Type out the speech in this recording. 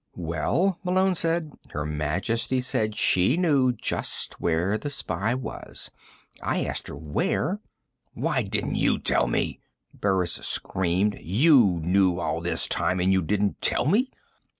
"Well," Malone said, "Her Majesty said she knew just where the spy was. I asked her where " "Why didn't you tell me?" Burris screamed. "You knew all this time and you didn't tell me?"